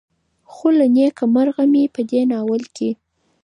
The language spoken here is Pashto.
خو له نيکه مرغه مې په دې ناول کې